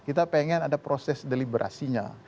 kita pengen ada proses deliberasinya